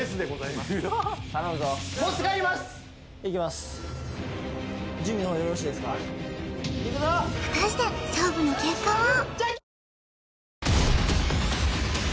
いくぞ果たして勝負の結果は？